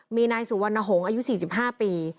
มีนายสุวรรณหงษ์อายุ๔๕ปี